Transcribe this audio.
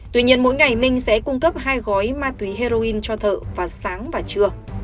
tuy nhiên mỗi ngày minh sẽ cung cấp hai gói ma túy heroin cho thợ vào sáng và trưa